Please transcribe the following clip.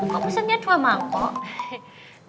kok pesennya dua mangkok